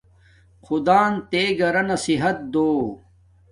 خدان تے گھرانا صحت دو